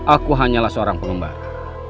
aku hanyalah seorang pengembara